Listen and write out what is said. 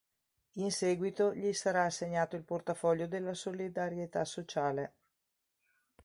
In seguito gli sarà assegnato il portafoglio della Solidarietà sociale.